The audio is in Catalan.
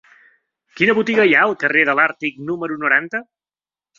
Quina botiga hi ha al carrer de l'Àrtic número noranta?